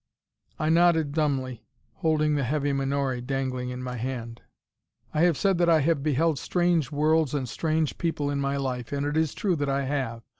I nodded, dumbly, holding the heavy menore dangling in my hand. I have said that I have beheld strange worlds and strange people in my life, and it is true that I have.